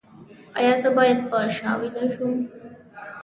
ایا زه باید په شا ویده شم؟